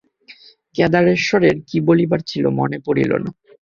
কেদারেশ্বরের কী বলিবার ছিল মনে পড়িল না।